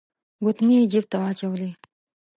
ګوتمۍ يې جيب ته واچولې.